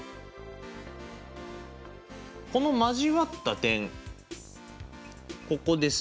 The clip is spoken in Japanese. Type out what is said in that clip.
この交わった点ここですね。